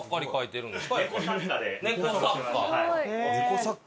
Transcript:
猫作家？